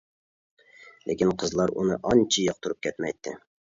لېكىن، قىزلار ئۇنى ئانچە ياقتۇرۇپ كەتمەيتتى.